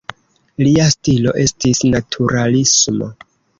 Lia stilo estis naturalismo.